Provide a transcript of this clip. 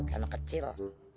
kayak emak kecil